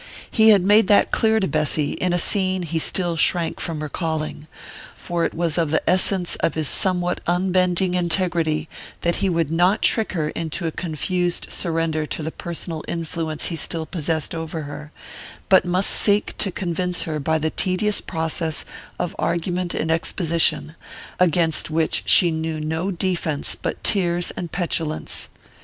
He had made that clear to Bessy, in a scene he still shrank from recalling; for it was of the essence of his somewhat unbending integrity that he would not trick her into a confused surrender to the personal influence he still possessed over her, but must seek to convince her by the tedious process of argument and exposition, against which she knew no defense but tears and petulance.